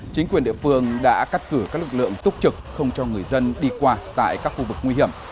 chính quyền địa phương đã cắt cử các lực lượng túc trực không cho người dân đi qua tại các khu vực nguy hiểm